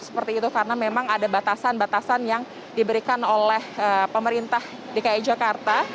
seperti itu karena memang ada batasan batasan yang diberikan oleh pemerintah dki jakarta